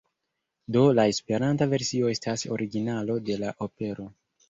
Do la Esperanta versio estas originalo de la opero.